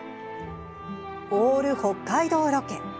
オール北海道ロケ。